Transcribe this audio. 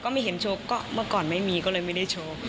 ไม่เห็นโชว์ก็เมื่อก่อนไม่มีก็เลยไม่ได้โชว์